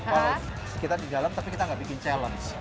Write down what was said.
kalau kita di dalam tapi kita nggak bikin challenge